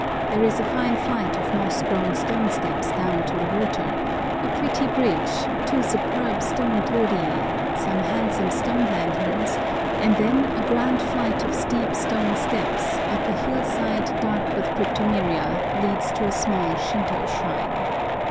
There is a fine flight of moss grown stone steps down to the water, a pretty bridge, two superb stone torii, some handsome stone lanterns, and then a grand flight of steep stone steps up a hillside dark with cryptomeria leads to a small Shintô shrine.